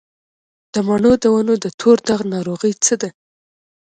د مڼو د ونو د تور داغ ناروغي څه ده؟